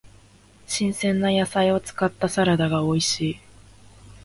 新鮮な野菜を使ったサラダが美味しい。